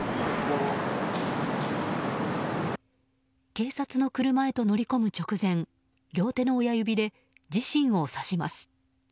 警察の車へと乗り込む直前両手の親指で自身を指します。